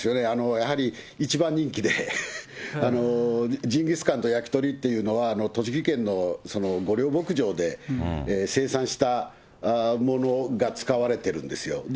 やはり一番人気で、ジンギスカンと焼き鳥というのは、栃木県の御料牧場で生産したものが使われてるんですよ。